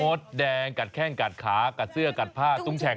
แดงกัดแข้งกัดขากัดเสื้อกัดผ้าตุ้งแฉ่ง